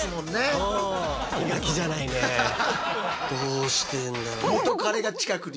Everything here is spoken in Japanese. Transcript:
どうしてんだろう。